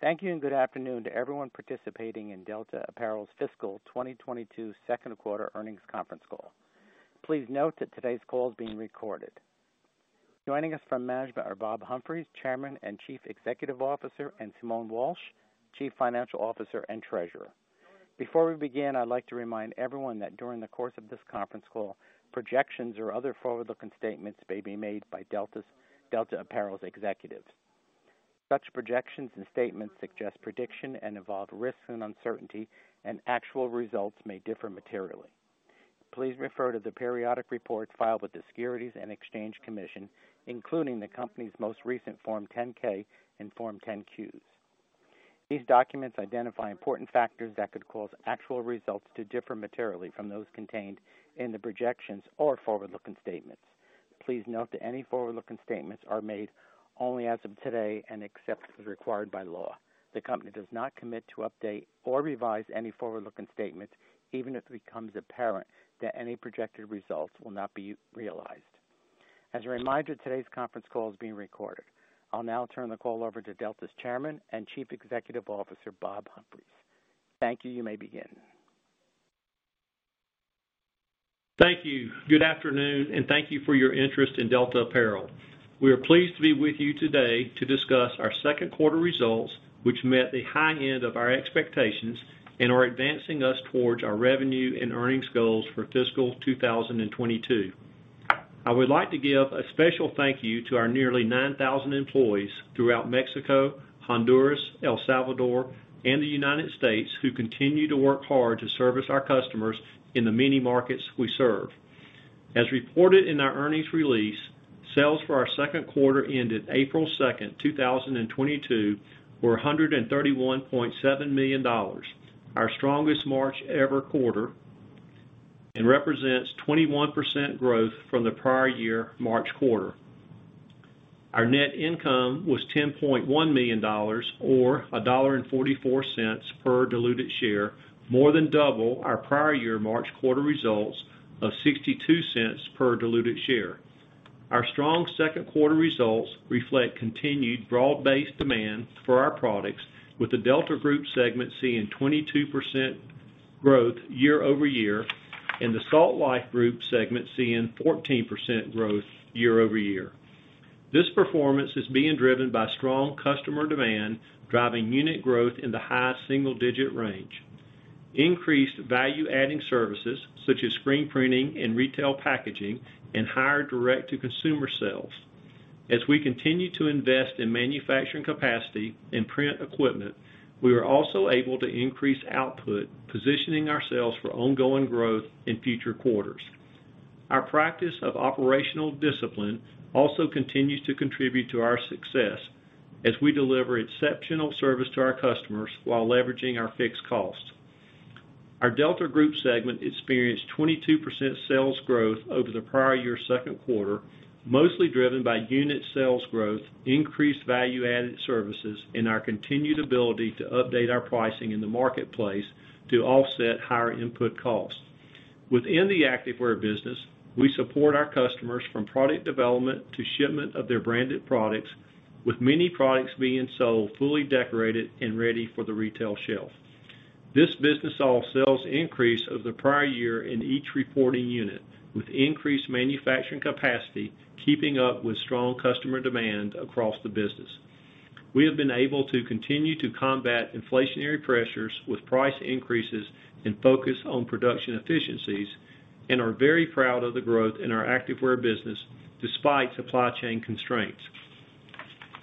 Thank you, and good afternoon to everyone participating in Delta Apparel's Fiscal 2022 second quarter earnings conference call. Please note that today's call is being recorded. Joining us from management are Bob Humphreys, Chairman and Chief Executive Officer, and Simone Walsh, Chief Financial Officer and Treasurer. Before we begin, I'd like to remind everyone that during the course of this conference call, projections or other forward-looking statements may be made by Delta Apparel's executives. Such projections and statements involve risks and uncertainties, and actual results may differ materially. Please refer to the periodic reports filed with the Securities and Exchange Commission, including the company's most recent Form 10-K and Form 10-Q. These documents identify important factors that could cause actual results to differ materially from those contained in the projections or forward-looking statements. Please note that any forward-looking statements are made only as of today and except as required by law. The company does not commit to update or revise any forward-looking statements, even if it becomes apparent that any projected results will not be realized. As a reminder, today's conference call is being recorded. I'll now turn the call over to Delta's Chairman and Chief Executive Officer, Bob Humphreys. Thank you. You may begin. Thank you. Good afternoon, and thank you for your interest in Delta Apparel. We are pleased to be with you today to discuss our second quarter results, which met the high end of our expectations and are advancing us towards our revenue and earnings goals for fiscal 2022. I would like to give a special thank you to our nearly 9,000 employees throughout Mexico, Honduras, El Salvador, and the United States, who continue to work hard to service our customers in the many markets we serve. As reported in our earnings release, sales for our second quarter ended April 2, 2022, were $131.7 million. Our strongest March quarter ever, and represents 21% growth from the prior year March quarter. Our net income was $10.1 million or $1.44 per diluted share, more than double our prior year March quarter results of $0.62 per diluted share. Our strong second quarter results reflect continued broad-based demand for our products, with the Delta Group segment seeing 22% growth year-over-year, and the Salt Life Group segment seeing 14% growth year-over-year. This performance is being driven by strong customer demand, driving unit growth in the high single digit range, increased value adding services such as screen printing and retail packaging, and higher direct to consumer sales. As we continue to invest in manufacturing capacity and print equipment, we are also able to increase output, positioning ourselves for ongoing growth in future quarters. Our practice of operational discipline also continues to contribute to our success as we deliver exceptional service to our customers while leveraging our fixed costs. Our Delta Group segment experienced 22% sales growth over the prior year second quarter, mostly driven by unit sales growth, increased value added services, and our continued ability to update our pricing in the marketplace to offset higher input costs. Within the activewear business, we support our customers from product development to shipment of their branded products, with many products being sold fully decorated and ready for the retail shelf. This business saw sales increase over the prior year in each reporting unit, with increased manufacturing capacity keeping up with strong customer demand across the business. We have been able to continue to combat inflationary pressures with price increases and focus on production efficiencies and are very proud of the growth in our activewear business despite supply chain constraints.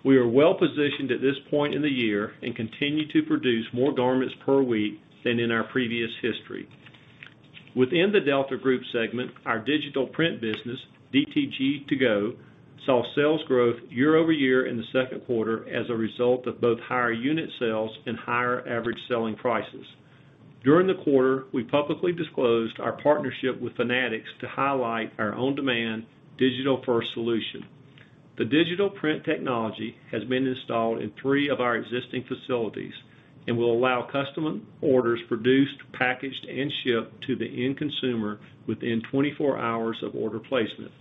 We are well positioned at this point in the year and continue to produce more garments per week than in our previous history. Within the Delta Group segment, our digital print business, DTG2Go, saw sales growth year-over-year in the second quarter as a result of both higher unit sales and higher average selling prices. During the quarter, we publicly disclosed our partnership with Fanatics to highlight our on-demand digital first solution. The digital print technology has been installed in three of our existing facilities and will allow custom orders produced, packaged and shipped to the end consumer within 24 hours of order placement.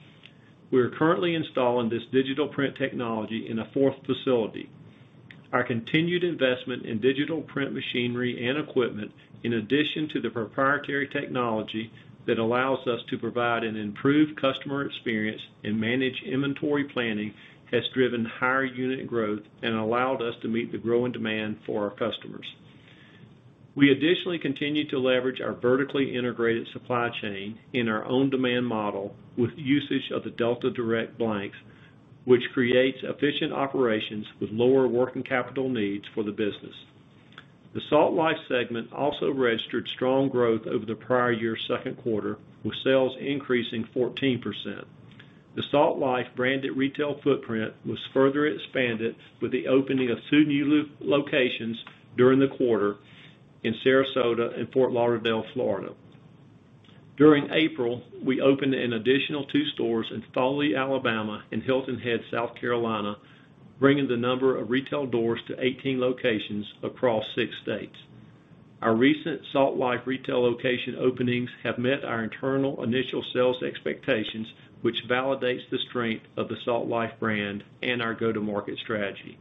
We are currently installing this digital print technology in a fourth facility. Our continued investment in digital print machinery and equipment, in addition to the proprietary technology that allows us to provide an improved customer experience and manage inventory planning, has driven higher unit growth and allowed us to meet the growing demand for our customers. We additionally continue to leverage our vertically integrated supply chain in our own demand model with usage of the Delta Direct blanks, which creates efficient operations with lower working capital needs for the business. The Salt Life segment also registered strong growth over the prior year's second quarter, with sales increasing 14%. The Salt Life branded retail footprint was further expanded with the opening of two new locations during the quarter in Sarasota and Fort Lauderdale, Florida. During April, we opened an additional two stores in Foley, Alabama, and Hilton Head, South Carolina, bringing the number of retail doors to 18 locations across six states. Our recent Salt Life retail location openings have met our internal initial sales expectations, which validates the strength of the Salt Life brand and our go-to-market strategy.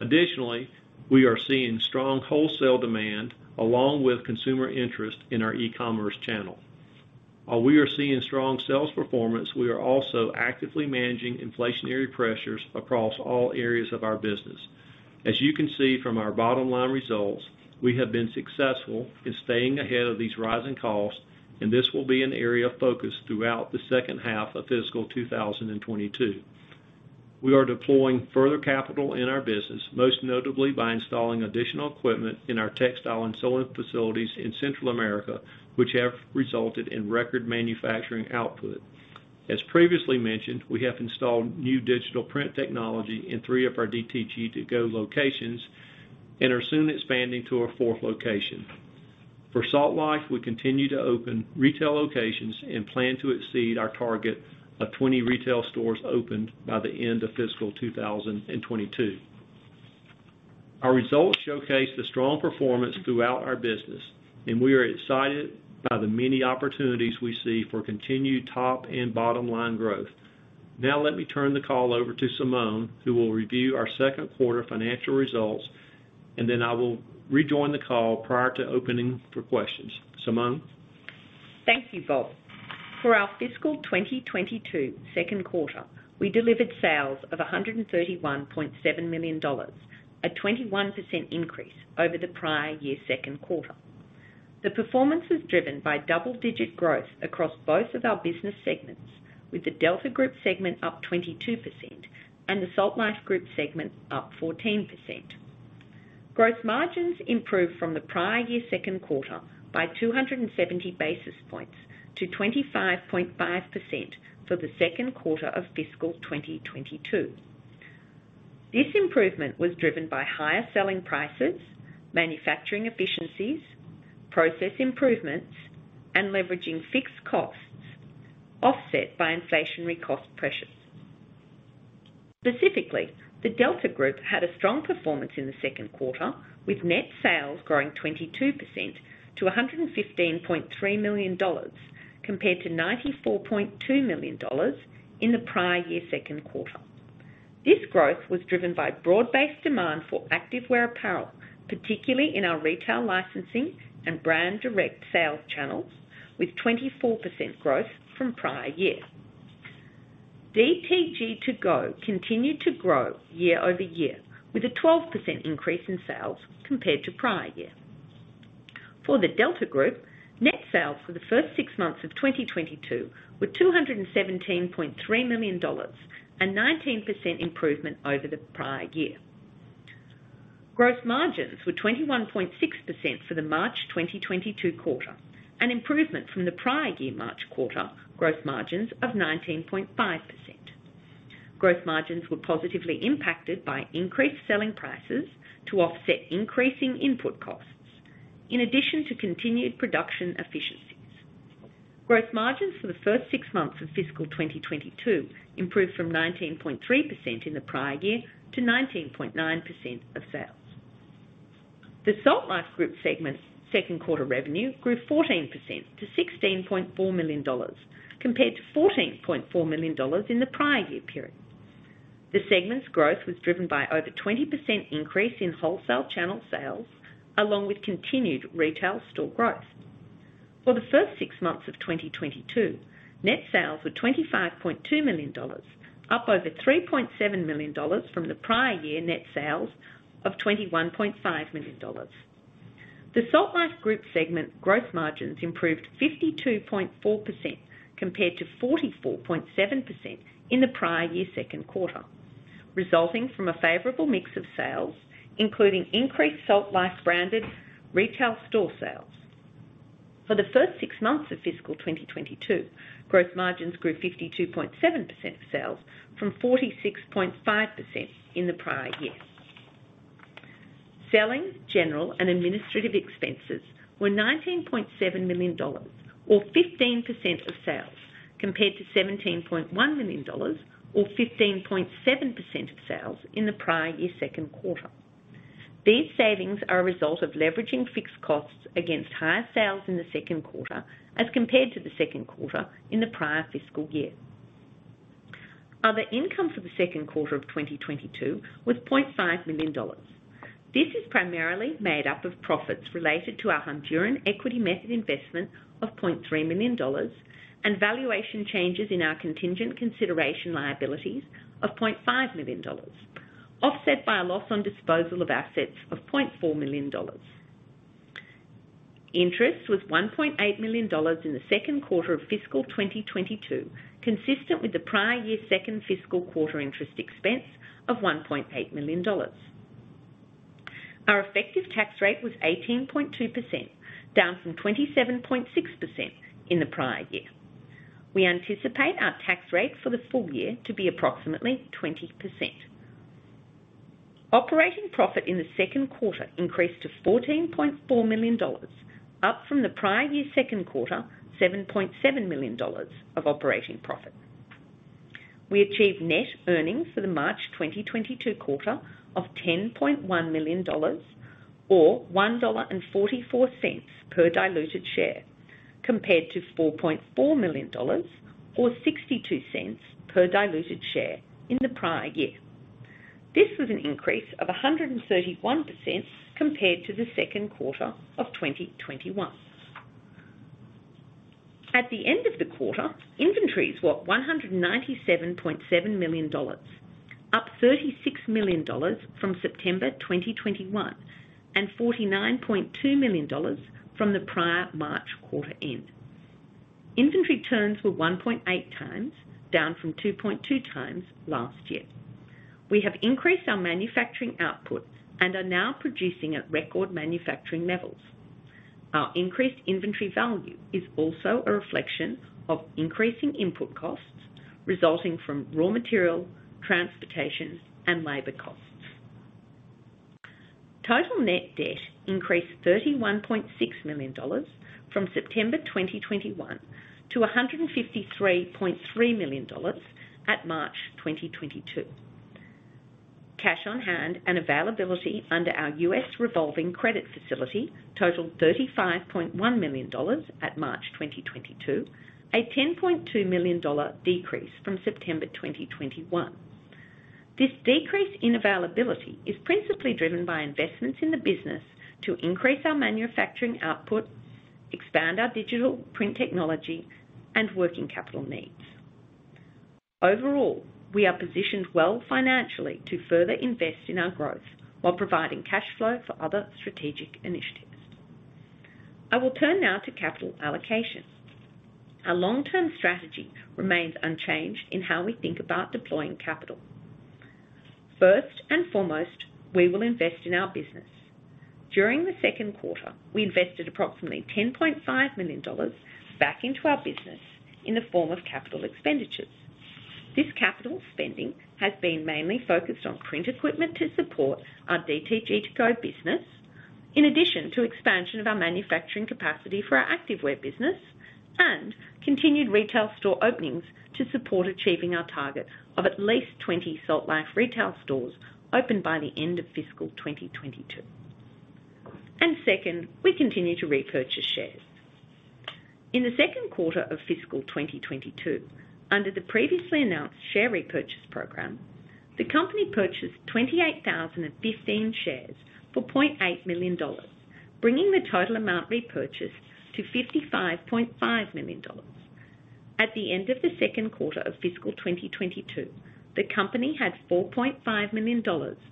Additionally, we are seeing strong wholesale demand along with consumer interest in our e-commerce channel. While we are seeing strong sales performance, we are also actively managing inflationary pressures across all areas of our business. As you can see from our bottom-line results, we have been successful in staying ahead of these rising costs, and this will be an area of focus throughout the second half of fiscal 2022. We are deploying further capital in our business, most notably by installing additional equipment in our textile and sewing facilities in Central America, which have resulted in record manufacturing output. As previously mentioned, we have installed new digital print technology in 3 of our DTG2Go locations and are soon expanding to a fourth location. For Salt Life, we continue to open retail locations and plan to exceed our target of 20 retail stores opened by the end of fiscal 2022. Our results showcase the strong performance throughout our business, and we are excited by the many opportunities we see for continued top and bottom-line growth. Now let me turn the call over to Simone, who will review our second quarter financial results, and then I will rejoin the call prior to opening for questions. Simone? Thank you, Bob. For our fiscal 2022 second quarter, we delivered sales of $131.7 million, a 21% increase over the prior year second quarter. The performance was driven by double-digit growth across both of our business segments, with the Delta Group segment up 22% and the Salt Life Group segment up 14%. Gross margins improved from the prior year second quarter by 270 basis points to 25.5% for the second quarter of fiscal 2022. This improvement was driven by higher selling prices, manufacturing efficiencies, process improvements, and leveraging fixed costs offset by inflationary cost pressures. Specifically, the Delta Group had a strong performance in the second quarter, with net sales growing 22% to $115.3 million compared to $94.2 million in the prior year second quarter. This growth was driven by broad-based demand for activewear apparel, particularly in our retail licensing and brand direct sales channels, with 24% growth from prior year. DTG2Go continued to grow year-over-year with a 12% increase in sales compared to prior year. For the Delta Group, net sales for the first six months of 2022 were $217.3 million, a 19% improvement over the prior year. Gross margins were 21.6% for the March 2022 quarter, an improvement from the prior year March quarter gross margins of 19.5%. Gross margins were positively impacted by increased selling prices to offset increasing input costs in addition to continued production efficiencies. Gross margins for the first six months of fiscal 2022 improved from 19.3% in the prior year to 19.9% of sales. The Salt Life Group segment second quarter revenue grew 14% to $16.4 million compared to $14.4 million in the prior year period. The segment's growth was driven by over 20% increase in wholesale channel sales along with continued retail store growth. For the first six months of 2022, net sales were $25.2 million, up over $3.7 million from the prior year net sales of $21.5 million. The Salt Life Group segment gross margins improved 52.4% compared to 44.7% in the prior year second quarter, resulting from a favorable mix of sales, including increased Salt Life branded retail store sales. For the first six months of fiscal 2022, gross margins grew 52.7% of sales from 46.5% in the prior year. Selling, general and administrative expenses were $19.7 million or 15% of sales, compared to $17.1 million or 15.7% of sales in the prior year second quarter. These savings are a result of leveraging fixed costs against higher sales in the second quarter as compared to the second quarter in the prior fiscal year. Other income for the second quarter of 2022 was $0.5 million. This is primarily made up of profits related to our Honduran Equity Method Investment of $0.3 million and valuation changes in our contingent consideration liabilities of $0.5 million, offset by a loss on disposal of assets of $0.4 million. Interest was $1.8 million in the second quarter of fiscal 2022, consistent with the prior year second fiscal quarter interest expense of $1.8 million. Our effective tax rate was 18.2%, down from 27.6% in the prior year. We anticipate our tax rate for the full year to be approximately 20%. Operating profit in the second quarter increased to $14.4 million, up from the prior-year second quarter $7.7 million of operating profit. We achieved net earnings for the March 2022 quarter of $10.1 million or $1.44 per diluted share, compared to $4.4 million or $0.62 per diluted share in the prior year. This was an increase of 131% compared to the second quarter of 2021. At the end of the quarter, inventories were $197.7 million, up $36 million from September 2021, and $49.2 million from the prior March quarter end. Inventory turns were 1.8x, down from 2.2x last year. We have increased our manufacturing output and are now producing at record manufacturing levels. Our increased inventory value is also a reflection of increasing input costs resulting from raw material, transportation, and labor costs. Total net debt increased $31.6 million from September 2021 to $153.3 million at March 2022. Cash on hand and availability under our U.S. revolving credit facility totaled $35.1 million at March 2022, a $10.2 million decrease from September 2021. This decrease in availability is principally driven by investments in the business to increase our manufacturing output, expand our digital print technology, and working capital needs. Overall, we are positioned well financially to further invest in our growth while providing cash flow for other strategic initiatives. I will turn now to capital allocation. Our long-term strategy remains unchanged in how we think about deploying capital. First and foremost, we will invest in our business. During the second quarter, we invested approximately $10.5 million back into our business in the form of capital expenditures. This capital spending has been mainly focused on print equipment to support our DTG2Go business, in addition to expansion of our manufacturing capacity for our activewear business and continued retail store openings to support achieving our target of at least 20 Salt Life retail stores opened by the end of fiscal 2022. Second, we continue to repurchase shares. In the second quarter of fiscal 2022, under the previously announced share repurchase program, the company purchased 28,015 shares for $0.8 million, bringing the total amount repurchased to $55.5 million. At the end of the second quarter of fiscal 2022, the company had $4.5 million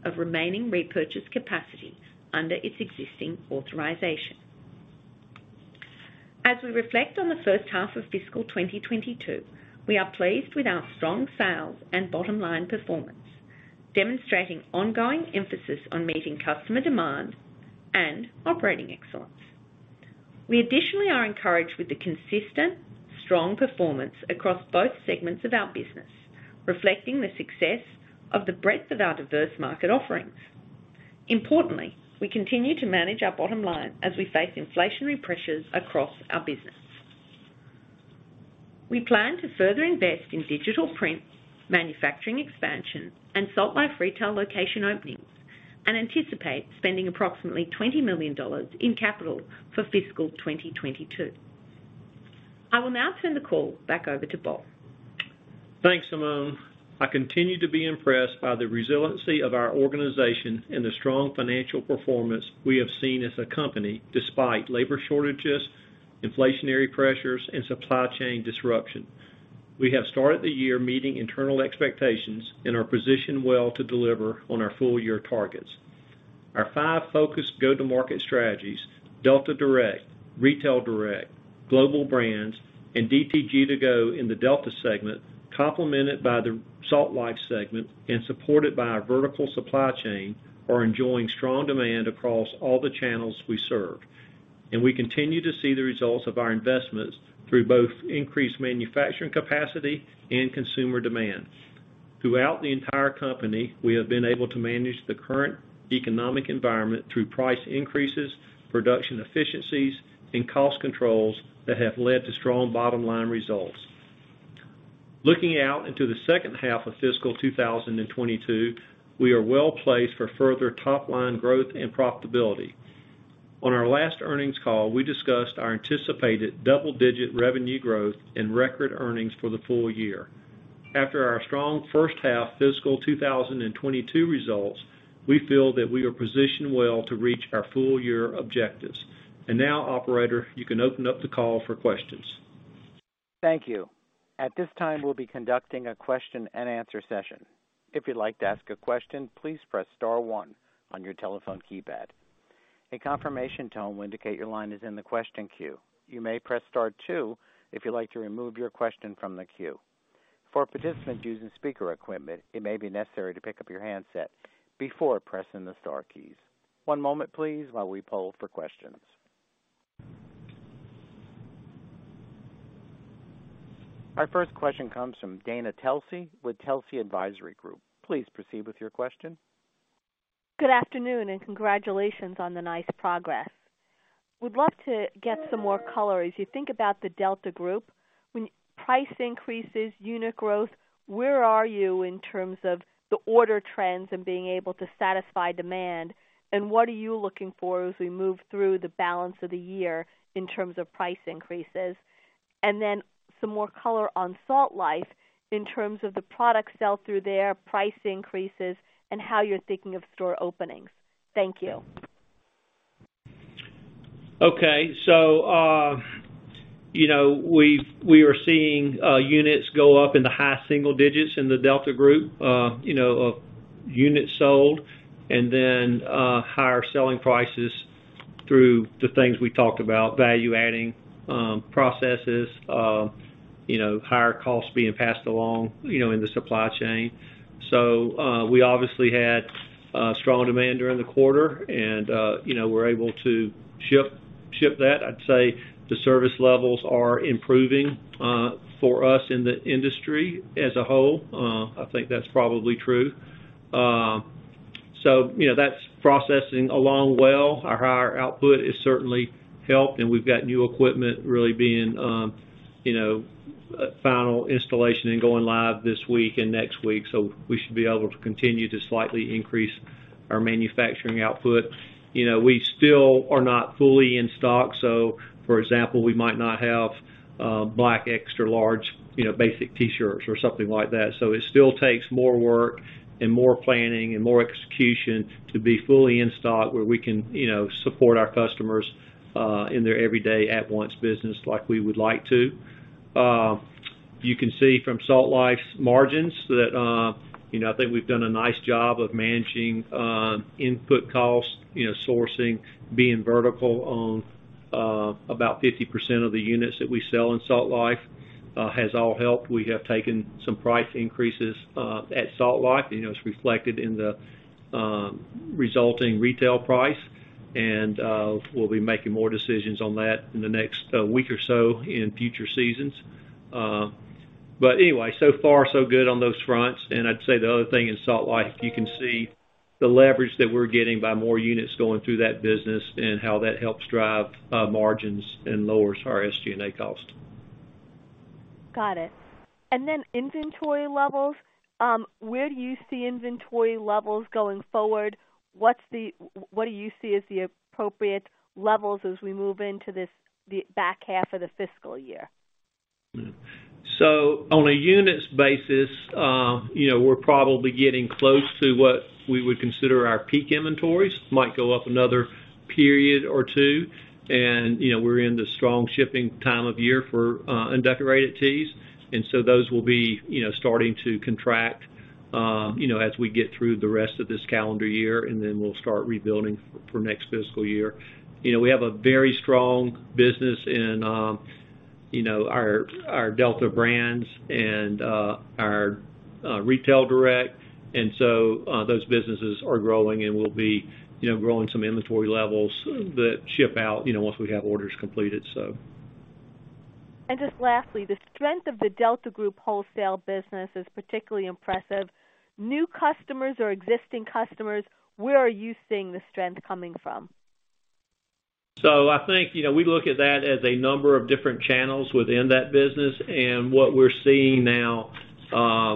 of remaining repurchase capacity under its existing authorization. As we reflect on the first half of fiscal 2022, we are pleased with our strong sales and bottom line performance, demonstrating ongoing emphasis on meeting customer demand and operating excellence. We additionally are encouraged with the consistent strong performance across both segments of our business, reflecting the success of the breadth of our diverse market offerings. Importantly, we continue to manage our bottom line as we face inflationary pressures across our business. We plan to further invest in digital print, manufacturing expansion, and Salt Life retail location openings, and anticipate spending approximately $20 million in capital for fiscal 2022. I will now turn the call back over to Bob. Thanks, Simone. I continue to be impressed by the resiliency of our organization and the strong financial performance we have seen as a company despite labor shortages, inflationary pressures, and supply chain disruption. We have started the year meeting internal expectations and are positioned well to deliver on our full year targets. Our five focused go-to-market strategies, Delta Direct, Retail Direct, Global Brands, and DTG2Go in the Delta segment, complemented by the Salt Life segment and supported by our vertical supply chain, are enjoying strong demand across all the channels we serve. We continue to see the results of our investments through both increased manufacturing capacity and consumer demand. Throughout the entire company, we have been able to manage the current economic environment through price increases, production efficiencies, and cost controls that have led to strong bottom line results. Looking out into the second half of fiscal 2022, we are well placed for further top line growth and profitability. On our last earnings call, we discussed our anticipated double-digit revenue growth and record earnings for the full year. After our strong first half fiscal 2022 results, we feel that we are positioned well to reach our full year objectives. Now, operator, you can open up the call for questions. Thank you. At this time, we'll be conducting a question-and-answer session. If you'd like to ask a question, please press star one on your telephone keypad. A confirmation tone will indicate your line is in the question queue. You may press star two if you'd like to remove your question from the queue. For participants using speaker equipment, it may be necessary to pick up your handset before pressing the star keys. One moment, please, while we poll for questions. Our first question comes from Dana Telsey with Telsey Advisory Group. Please proceed with your question. Good afternoon, and congratulations on the nice progress. Would love to get some more color. As you think about the Delta Group, when price increases, unit growth, where are you in terms of the order trends and being able to satisfy demand? What are you looking for as we move through the balance of the year in terms of price increases? Some more color on Salt Life in terms of the product sell-through there, price increases, and how you're thinking of store openings. Thank you. Okay. You know, we are seeing units go up in the high single digits in the Delta Group, you know, units sold and then higher selling prices through the things we talked about, value-adding processes of, you know, higher costs being passed along, you know, in the supply chain. We obviously had strong demand during the quarter, and you know, we're able to ship that. I'd say the service levels are improving for us in the industry as a whole. I think that's probably true. You know, that's progressing along well. Our higher output has certainly helped, and we've got new equipment really being, you know, final installation and going live this week and next week, so we should be able to continue to slightly increase our manufacturing output. You know, we still are not fully in stock. For example, we might not have, black, extra large, you know, basic T-shirts or something like that. It still takes more work and more planning and more execution to be fully in stock where we can, you know, support our customers, in their everyday at-once business like we would like to. You can see from Salt Life's margins that, you know, I think we've done a nice job of managing, input costs, you know, sourcing, being vertical on, about 50% of the units that we sell in Salt Life, has all helped. We have taken some price increases, at Salt Life, and it's reflected in the, resulting retail price, and, we'll be making more decisions on that in the next week or so in future seasons. Anyway, so far, so good on those fronts. I'd say the other thing in Salt Life you can see the leverage that we're getting by more units going through that business and how that helps drive margins and lowers our SG&A cost. Got it. Inventory levels, where do you see inventory levels going forward? What do you see as the appropriate levels as we move into this, the back half of the fiscal year? On a units basis, you know, we're probably getting close to what we would consider our peak inventories, might go up another period or two. You know, we're in the strong shipping time of year for undecorated tees, and those will be, you know, starting to contract, you know, as we get through the rest of this calendar year, and then we'll start rebuilding for next fiscal year. You know, we have a very strong business in, you know, our Delta brands and our Retail Direct. Those businesses are growing and we'll be, you know, growing some inventory levels that ship out, you know, once we have orders completed. Just lastly, the strength of the Delta Group wholesale business is particularly impressive. New customers or existing customers, where are you seeing the strength coming from? I think, you know, we look at that as a number of different channels within that business. What we're seeing now,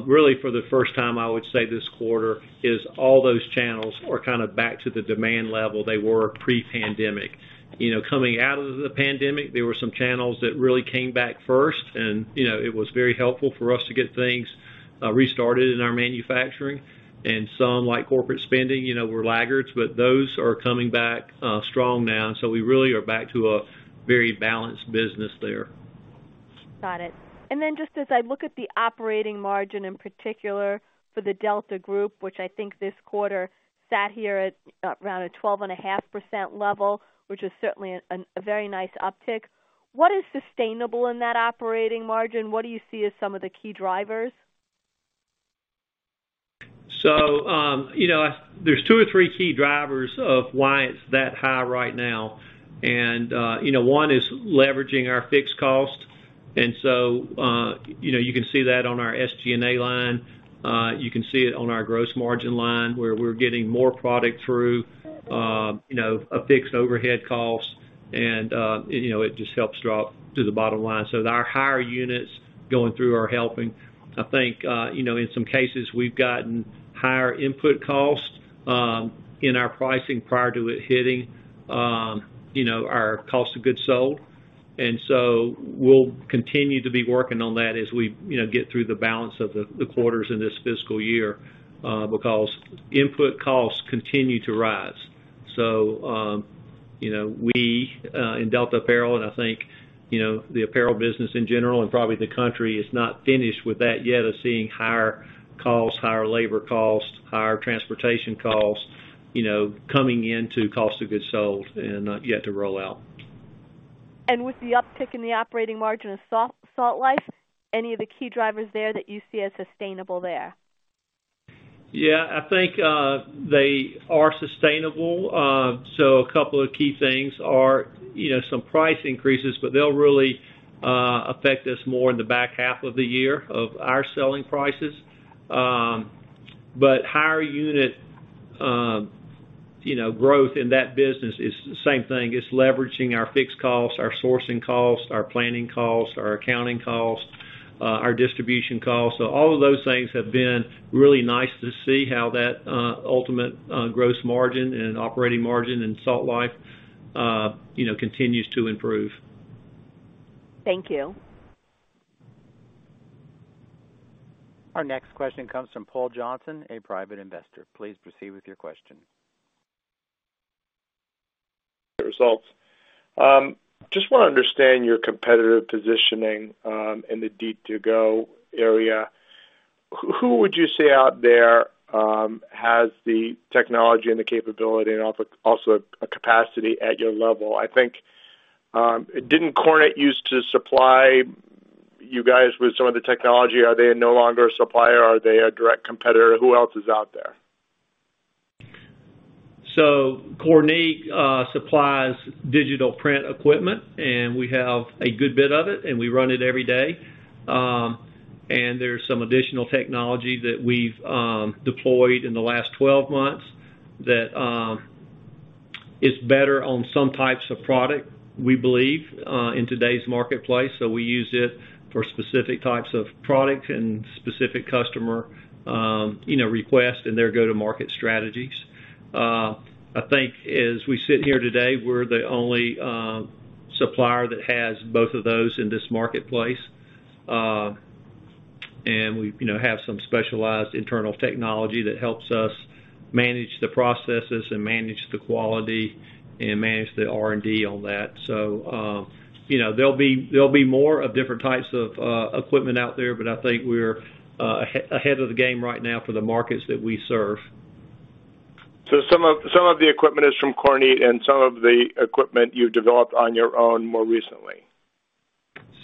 really for the first time, I would say this quarter, is all those channels are kind of back to the demand level they were pre-pandemic. You know, coming out of the pandemic, there were some channels that really came back first, and, you know, it was very helpful for us to get things, restarted in our manufacturing. Some, like corporate spending, you know, were laggards, but those are coming back, strong now. We really are back to a very balanced business there. Got it. Just as I look at the operating margin, in particular for the Delta Group, which I think this quarter sat here at around a 12.5% level, which is certainly a very nice uptick. What is sustainable in that operating margin? What do you see as some of the key drivers? You know, there's two or three key drivers of why it's that high right now. You know, one is leveraging our fixed cost. You know, you can see that on our SG&A line. You can see it on our gross margin line, where we're getting more product through, you know, a fixed overhead cost. You know, it just helps drop to the bottom line. Our higher units going through are helping. I think, you know, in some cases, we've gotten higher input costs in our pricing prior to it hitting, you know, our cost of goods sold. We'll continue to be working on that as we, you know, get through the balance of the quarters in this fiscal year, because input costs continue to rise. you know, we in Delta Apparel and I think, you know, the apparel business in general and probably the country is not finished with that yet of seeing higher costs, higher labor costs, higher transportation costs, you know, coming into cost of goods sold and not yet to roll out. With the uptick in the operating margin of Salt Life, any of the key drivers there that you see as sustainable there? Yeah. I think they are sustainable. A couple of key things are, you know, some price increases, but they'll really affect us more in the back half of the year of our selling prices. But higher unit growth in that business is the same thing. It's leveraging our fixed costs, our sourcing costs, our planning costs, our accounting costs, our distribution costs. All of those things have been really nice to see how that ultimate gross margin and operating margin in Salt Life continues to improve. Thank you. Our next question comes from Paul Johnson, a Private Investor. Please proceed with your question. Results. Just wanna understand your competitive positioning in the DTG area. Who would you say out there has the technology and the capability and also a capacity at your level? I think, didn't Kornit used to supply you guys with some of the technology. Are they no longer a supplier? Are they a direct competitor? Who else is out there? Kornit supplies digital print equipment, and we have a good bit of it, and we run it every day. There's some additional technology that we've deployed in the last 12 months that is better on some types of product, we believe, in today's marketplace. We use it for specific types of product and specific customer, you know, request and their go-to-market strategies. I think as we sit here today, we're the only supplier that has both of those in this marketplace. We, you know, have some specialized internal technology that helps us manage the processes and manage the quality and manage the R&D on that. You know, there'll be more of different types of equipment out there, but I think we're ahead of the game right now for the markets that we serve. Some of the equipment is from Kornit and some of the equipment you've developed on your own more recently.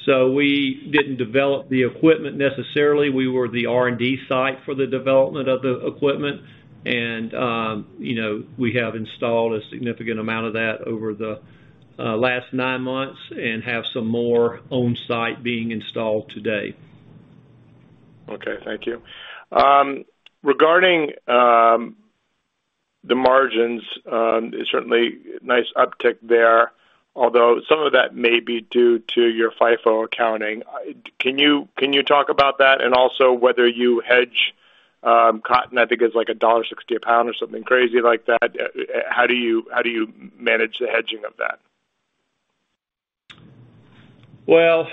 We didn't develop the equipment necessarily. We were the R&D site for the development of the equipment. You know, we have installed a significant amount of that over the last nine months and have some more on site being installed today. Okay, thank you. Regarding the margins, certainly nice uptick there, although some of that may be due to your FIFO accounting. Can you talk about that? Also whether you hedge cotton, I think it's like $1.60 a pound or something crazy like that. How do you manage the hedging of that? Well,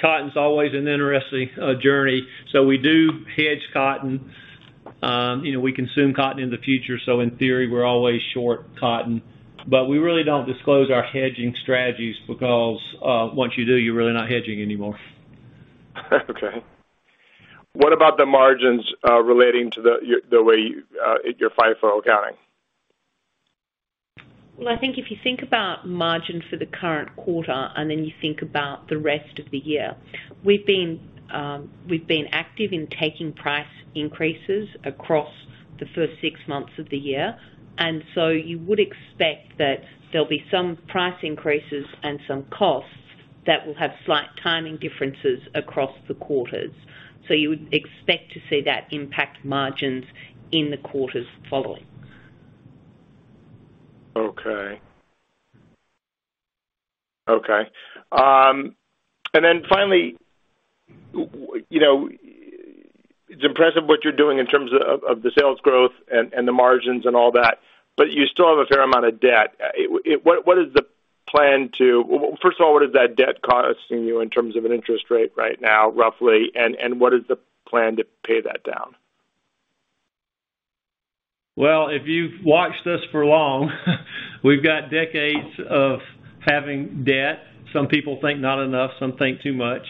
cotton's always an interesting journey. We do hedge cotton. You know, we consume cotton in the future, so in theory, we're always short cotton. We really don't disclose our hedging strategies because once you do, you're really not hedging anymore. Okay. What about the margins relating to the way your FIFO accounting? Well, I think if you think about margin for the current quarter, and then you think about the rest of the year, we've been active in taking price increases across the first six months of the year. You would expect that there'll be some price increases and some costs that will have slight timing differences across the quarters. You would expect to see that impact margins in the quarters following. Okay. Then finally, you know, it's impressive what you're doing in terms of the sales growth and the margins and all that, but you still have a fair amount of debt. First of all, what is that debt costing you in terms of an interest rate right now, roughly, and what is the plan to pay that down? Well, if you've watched us for long, we've got decades of having debt. Some people think not enough, some think too much.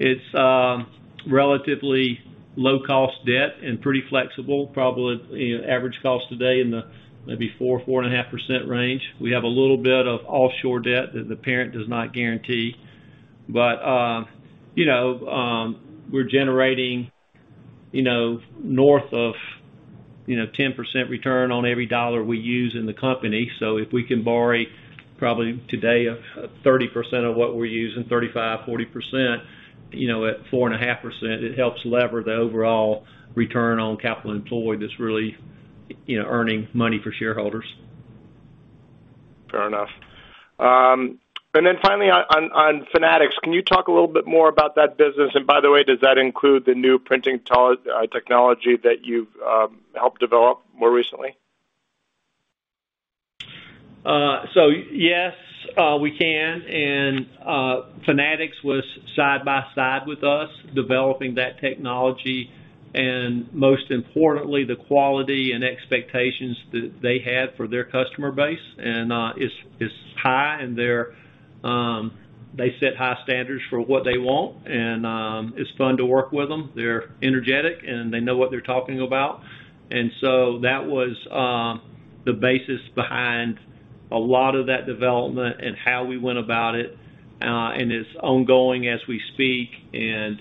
It's relatively low-cost debt and pretty flexible, probably, you know, average cost today in the maybe 4%-4.5% range. We have a little bit of offshore debt that the parent does not guarantee. We're generating, you know, north of 10% return on every dollar we use in the company. If we can borrow it probably today 30% of what we're using, 35%-40%, you know, at 4.5%, it helps leverage the overall return on capital employed that's really, you know, earning money for shareholders. Fair enough. Finally on Fanatics, can you talk a little bit more about that business? By the way, does that include the new printing technology that you've helped develop more recently? Yes, we can. Fanatics was side by side with us developing that technology, and most importantly, the quality and expectations that they had for their customer base. It's high and they set high standards for what they want and it's fun to work with them. They're energetic, and they know what they're talking about. That was the basis behind a lot of that development and how we went about it. It's ongoing as we speak, and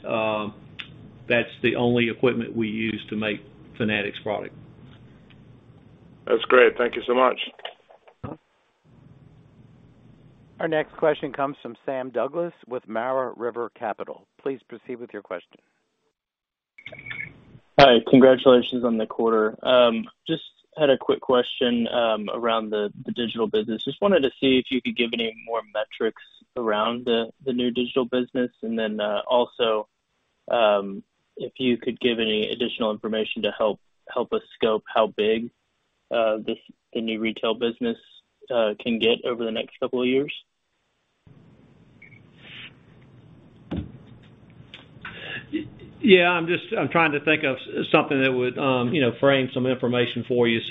that's the only equipment we use to make Fanatics product. That's great. Thank you so much. Our next question comes from Sam Douglas with Mara River Capital. Please proceed with your question. Hi. Congratulations on the quarter. Just had a quick question around the digital business. Just wanted to see if you could give any more metrics around the new digital business. Also, if you could give any additional information to help us scope how big the new retail business can get over the next couple of years. Yeah, I'm just trying to think of something that would, you know, frame some information for you.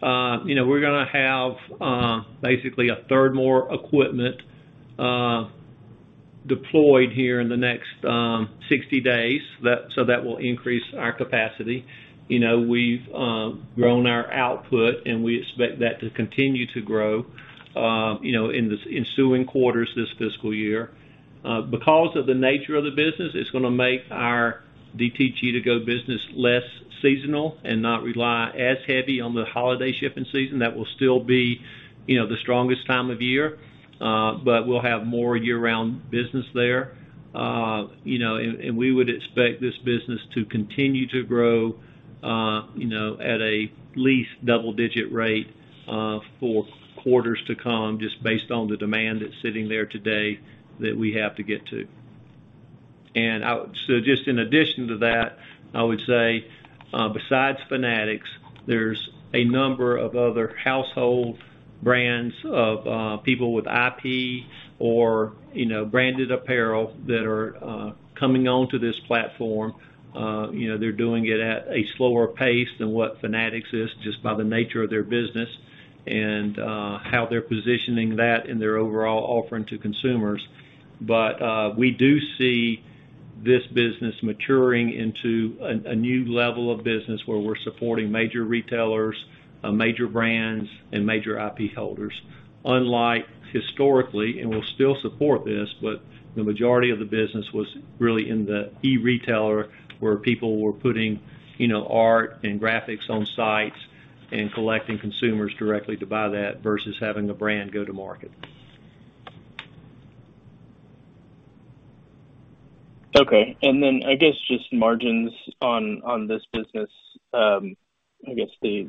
We're gonna have basically a third more equipment deployed here in the next 60 days, so that will increase our capacity. You know, we've grown our output, and we expect that to continue to grow, you know, in the ensuing quarters this fiscal year. Because of the nature of the business, it's gonna make our DTG2Go business less seasonal and not rely as heavy on the holiday shipping season. That will still be, you know, the strongest time of year, but we'll have more year-round business there. You know, we would expect this business to continue to grow, you know, at least double-digit rate, for quarters to come, just based on the demand that's sitting there today that we have to get to. Just in addition to that, I would say, besides Fanatics, there's a number of other household brands or people with IP or, you know, branded apparel that are coming onto this platform. You know, they're doing it at a slower pace than what Fanatics is just by the nature of their business and how they're positioning that in their overall offering to consumers. We do see this business maturing into a new level of business where we're supporting major retailers, major brands and major IP holders. Unlike historically, and we'll still support this, but the majority of the business was really in the e-retailer, where people were putting, you know, art and graphics on sites and collecting consumers directly to buy that versus having a brand go to market. Okay. I guess just margins on this business, I guess the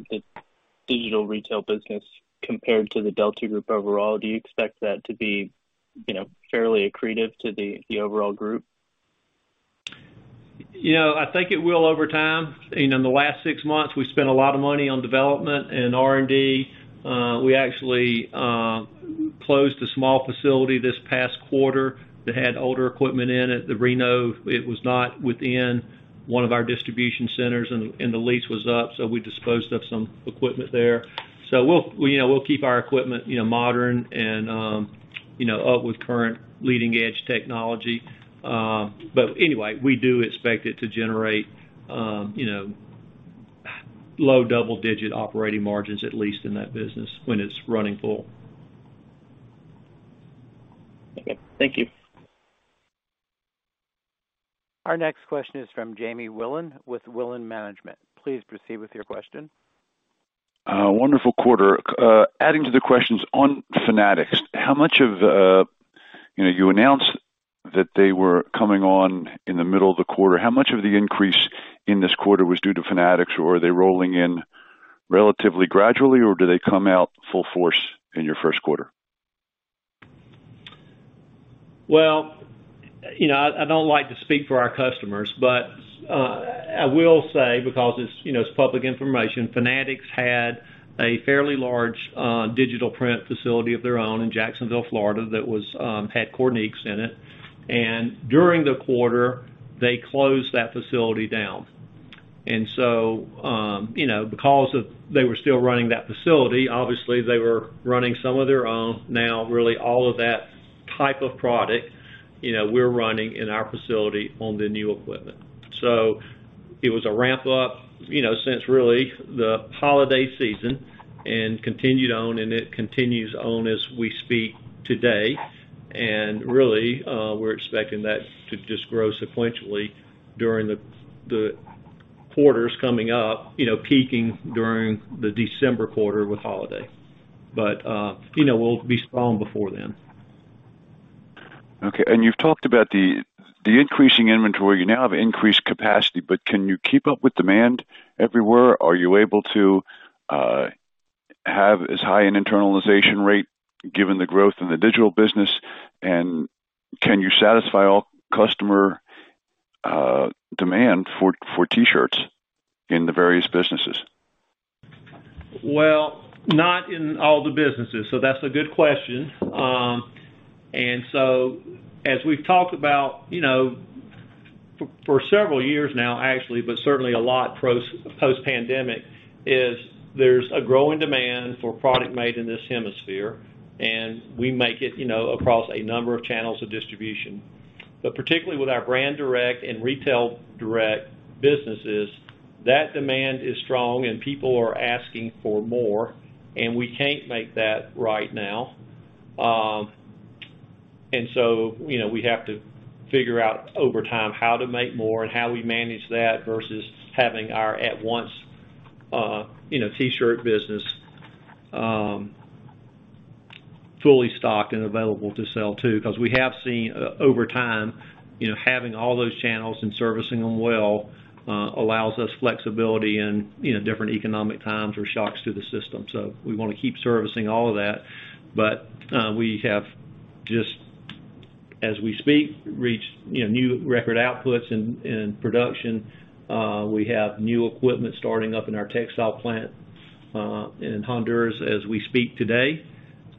digital retail business compared to the Delta Group overall, do you expect that to be, you know, fairly accretive to the overall group? You know, I think it will over time. You know, in the last six months, we spent a lot of money on development and R&D. We actually closed a small facility this past quarter that had older equipment in it, the RENO. It was not within one of our distribution centers, and the lease was up, so we disposed of some equipment there. We'll keep our equipment modern and up with current leading-edge technology. Anyway, we do expect it to generate low double-digit operating margins, at least in that business when it's running full. Okay. Thank you. Our next question is from Jamie Willen with Willen Management. Please proceed with your question. Wonderful quarter. Adding to the questions on Fanatics, how much of, you know, you announced that they were coming on in the middle of the quarter. How much of the increase in this quarter was due to Fanatics, or are they rolling in relatively gradually, or do they come out full force in your first quarter? Well, you know, I don't like to speak for our customers, but I will say, because it's, you know, it's public information, Fanatics had a fairly large digital print facility of their own in Jacksonville, Florida, that had Kornit's in it. During the quarter, they closed that facility down. You know, because of they were still running that facility, obviously they were running some of their own. Now, really, all of that type of product, you know, we're running in our facility on the new equipment. So it was a ramp up, you know, since really the holiday season and continued on, and it continues on as we speak today. Really, we're expecting that to just grow sequentially during the quarters coming up, you know, peaking during the December quarter with holiday. You know, we'll be strong before then. Okay. You've talked about the increasing inventory. You now have increased capacity, but can you keep up with demand everywhere? Are you able to have as high an internalization rate given the growth in the digital business? Can you satisfy all customer demand for T-shirts in the various businesses? Well, not in all the businesses. That's a good question. As we've talked about, you know, for several years now, actually, but certainly a lot post-pandemic, is there's a growing demand for product made in this hemisphere, and we make it, you know, across a number of channels of distribution. Particularly with our brand-direct and Retail Direct businesses, that demand is strong and people are asking for more, and we can't make that right now. You know, we have to figure out over time how to make more and how we manage that versus having our at-once, you know, T-shirt business fully stocked and available to sell too. Because we have seen over time, you know, having all those channels and servicing them well allows us flexibility in, you know, different economic times or shocks to the system. We wanna keep servicing all of that. We have just as we speak reached, you know, new record outputs in production. We have new equipment starting up in our textile plant in Honduras as we speak today,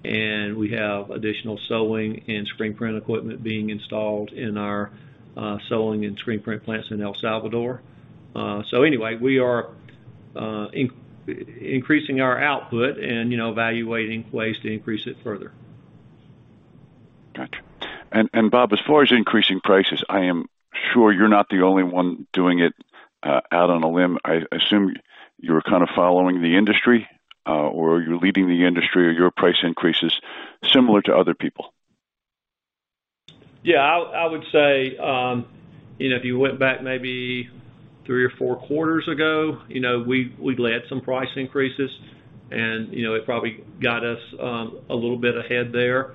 and we have additional sewing and screen print equipment being installed in our sewing and screen print plants in El Salvador. We are increasing our output and, you know, evaluating ways to increase it further. Gotcha. Bob, as far as increasing prices, I am sure you're not the only one doing it, out on a limb. I assume you're kind of following the industry, or you're leading the industry or your price increase is similar to other people. Yeah, I would say, you know, if you went back maybe three or four quarters ago, you know, we've led some price increases and, you know, it probably got us a little bit ahead there.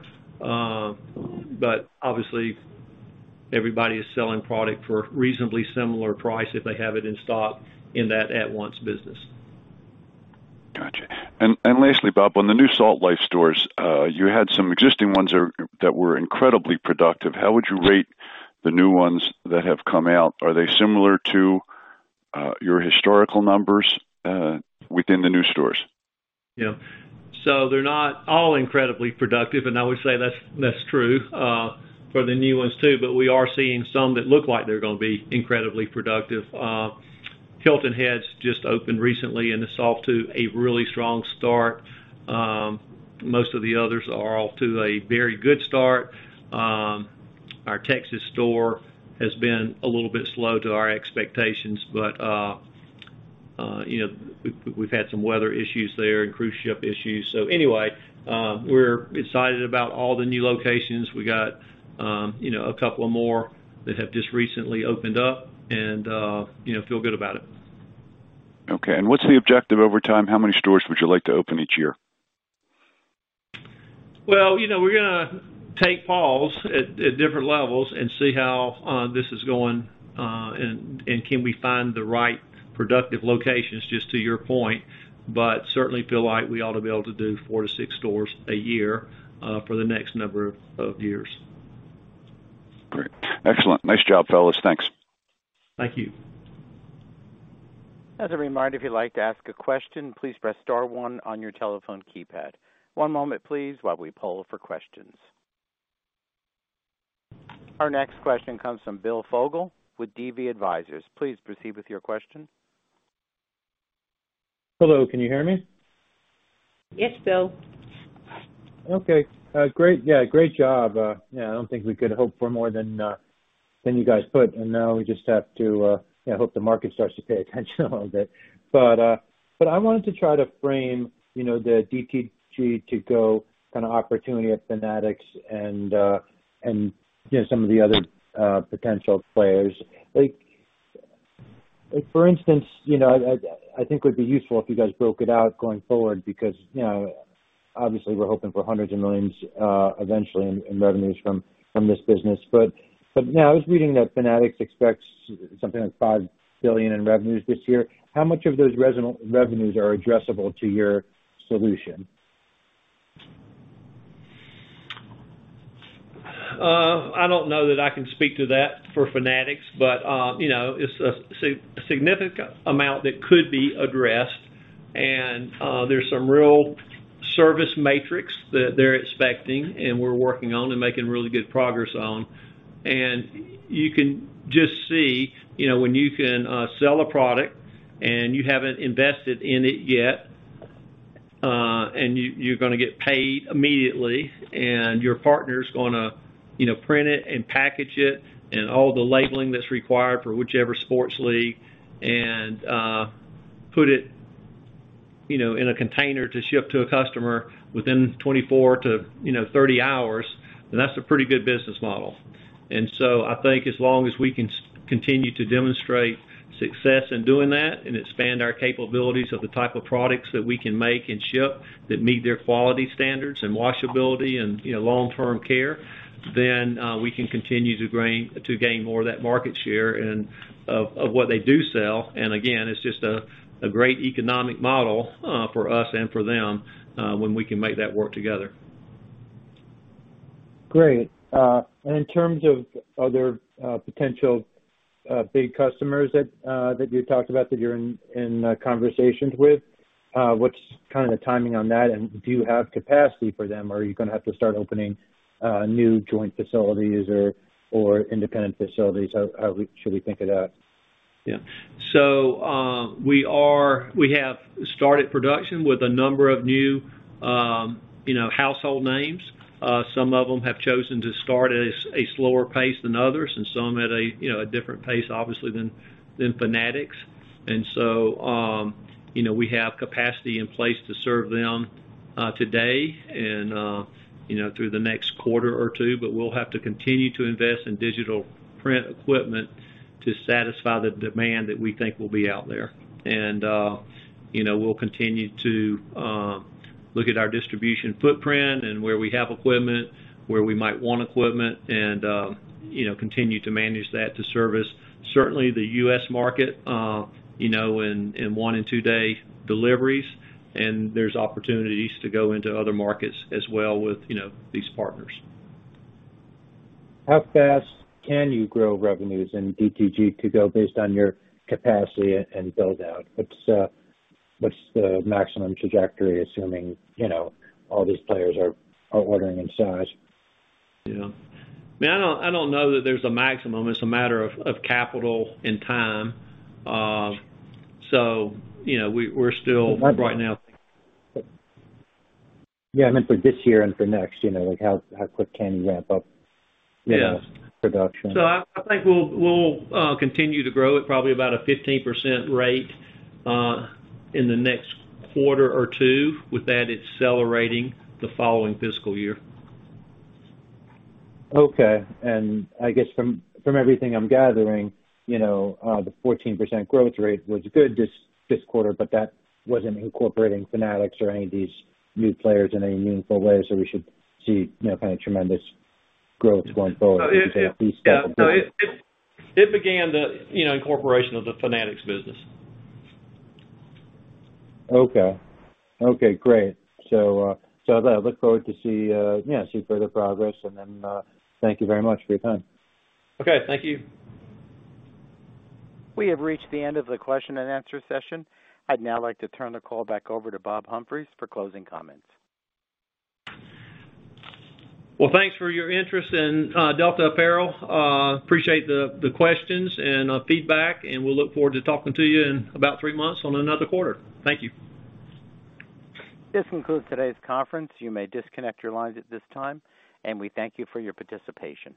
Obviously everybody is selling product for reasonably similar price if they have it in stock in that at-once business. Gotcha. Lastly, Bob, on the new Salt Life stores, you had some existing ones that were incredibly productive. How would you rate the new ones that have come out? Are they similar to your historical numbers within the new stores? Yeah. They're not all incredibly productive, and I would say that's true for the new ones too, but we are seeing some that look like they're gonna be incredibly productive. Hilton Head's just opened recently, and it's off to a really strong start. Most of the others are off to a very good start. Our Texas store has been a little bit slow to our expectations, but you know, we've had some weather issues there and cruise ship issues. Anyway, we're excited about all the new locations. We got you know, a couple of more that have just recently opened up and you know, feel good about it. Okay. What's the objective over time? How many stores would you like to open each year? Well, you know, we're gonna take pause at different levels and see how this is going, and can we find the right productive locations, just to your point. But certainly feel like we ought to be able to do 4-6 stores a year, for the next number of years. Great. Excellent. Nice job, fellas. Thanks. Thank you. As a reminder, if you'd like to ask a question, please press star one on your telephone keypad. One moment, please, while we poll for questions. Our next question comes from Bill Fogel with DV Advisors. Please proceed with your question. Hello, can you hear me? Yes, Bill. Okay, great. Yeah, great job. Yeah, I don't think we could hope for more than you guys put, and now we just have to. I hope the market starts to pay attention a little bit. I wanted to try to frame, you know, the DTG2Go kind of opportunity at Fanatics and, you know, some of the other potential players. Like for instance, you know, I think it would be useful if you guys broke it out going forward because, you know, obviously we're hoping for hundreds of millions eventually in revenues from this business. Now I was reading that Fanatics expects something like $5 billion in revenues this year. How much of those revenues are addressable to your solution? I don't know that I can speak to that for Fanatics, but, you know, it's a significant amount that could be addressed. There's some real service metrics that they're expecting, and we're working on and making really good progress on. You can just see, you know, when you can sell a product and you haven't invested in it yet, and you're gonna get paid immediately, and your partner's gonna, you know, print it and package it and all the labeling that's required for whichever sports league and put it, you know, in a container to ship to a customer within 24-30 hours, then that's a pretty good business model. I think as long as we can continue to demonstrate success in doing that and expand our capabilities of the type of products that we can make and ship that meet their quality standards and washability and, you know, long-term care, then we can continue to gain more of that market share and of what they do sell. Again, it's just a great economic model for us and for them when we can make that work together. Great. In terms of other potential big customers that you talked about that you're in conversations with, what's kind of the timing on that? Do you have capacity for them, or are you gonna have to start opening new joint facilities or independent facilities? How should we think of that? We have started production with a number of new, you know, household names. Some of them have chosen to start at a slower pace than others and some at a, you know, a different pace obviously than Fanatics. We have capacity in place to serve them today and, you know, through the next quarter or two. We'll have to continue to invest in digital print equipment to satisfy the demand that we think will be out there. We'll continue to look at our distribution footprint and where we have equipment, where we might want equipment, and, you know, continue to manage that to service, certainly the US market, you know, in one and two day deliveries. There's opportunities to go into other markets as well with, you know, these partners. How fast can you grow revenues in DTG2Go based on your capacity and build out? What's the maximum trajectory, assuming, you know, all these players are ordering in size? Yeah. I mean, I don't know that there's a maximum. It's a matter of capital and time. You know, we're still right now. Yeah, I meant for this year and for next, you know, like how quick can you ramp up? Yes. you know, production? I think we'll continue to grow at probably about a 15% rate in the next quarter or two, with that accelerating the following fiscal year. Okay. I guess from everything I'm gathering, you know, the 14% growth rate was good this quarter, but that wasn't incorporating Fanatics or any of these new players in a meaningful way. We should see, you know, kind of tremendous growth going forward. No, it At least several years. It began the, you know, incorporation of the Fanatics business. Okay, great. I look forward to see further progress, and then thank you very much for your time. Okay, thank you. We have reached the end of the question-and-answer session. I'd now like to turn the call back over to Bob Humphreys for closing comments. Well, thanks for your interest in Delta Apparel. Appreciate the questions and feedback, and we'll look forward to talking to you in about three months on another quarter. Thank you. This concludes today's conference. You may disconnect your lines at this time, and we thank you for your participation.